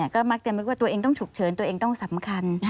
ก็มักจะนึกว่าตัวเองต้องฉุกเฉินตัวเองต้องสำคัญ